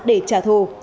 để trả lời